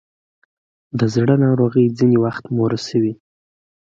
د زړه ناروغۍ ځینې وختونه موروثي وي.